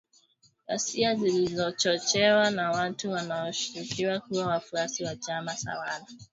ghasia zilizochochewa na watu wanaoshukiwa kuwa wafuasi wa chama tawala